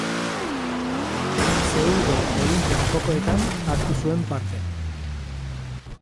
Seulgo Olinpiar Jokoetan hartu zuen parte.